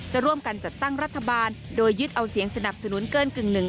จะร่วมกันจัดตั้งรัฐบาลโดยยึดเอาเสียงสนับสนุนเกินกึ่งหนึ่ง